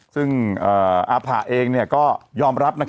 ซึ่งอัภหะเองก็ยอมรับนะครับ